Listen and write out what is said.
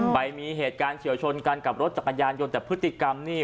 ไปมีเหตุการณ์เฉียวชนกันกับรถจักรยานยนต์แต่พฤติกรรมนี่